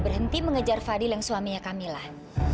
berhenti mengejar fadil yang suaminya kamilah